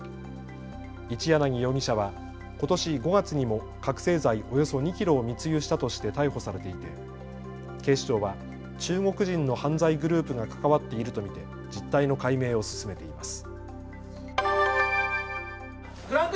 一柳容疑者はことし５月にも覚醒剤およそ２キロを密輸したとして逮捕されていて警視庁は中国人の犯罪グループが関わっていると見て実態の解明を進めています。